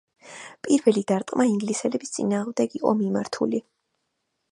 პირველი დარტყმა ინგლისელების წინააღმდეგ იყო მიმართული.